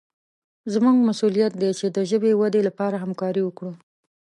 زموږ مسوولیت دی چې د ژبې ودې لپاره همکاري وکړو.